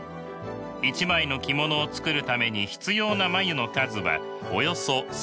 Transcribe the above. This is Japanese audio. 一枚の着物を作るために必要な繭の数はおよそ３，０００個といわれます。